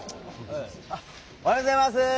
あおはようございます！